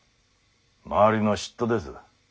周りの嫉妬です。